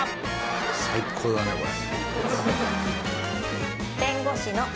最高だねこれ。